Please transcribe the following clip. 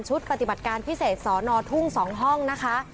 ปฏิบัติการพิเศษสอนอทุ่ง๒ห้องนะคะ